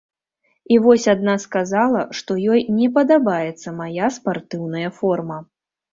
І вось адна сказала, што ёй не падабаецца мая спартыўная форма.